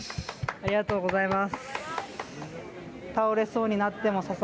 ありがとうございます。